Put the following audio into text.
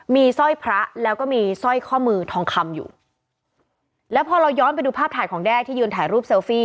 มีสร้อยพระแล้วก็มีสร้อยข้อมือทองคำอยู่แล้วพอเราย้อนไปดูภาพถ่ายของแด้ที่ยืนถ่ายรูปเซลฟี่